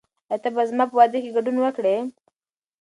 آیا ته به زما په واده کې ګډون وکړې؟